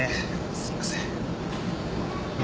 すみません。